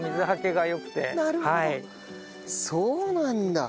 そうなんだ。